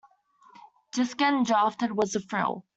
Just getting drafted was a thrill.